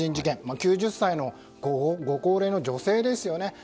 ９０歳のご高齢の女性ですよね。